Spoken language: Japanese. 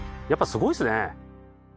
やっぱすごいですね！